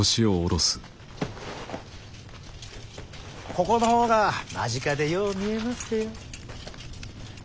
ここの方が間近でよう見えますでよ。